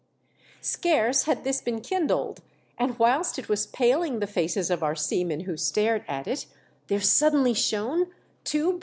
Scarce had this been kindled, and whilst it was paling the faces of our seamen who stared at it, there suddenly A CRUEL DISASTER BEFALLS ^rE.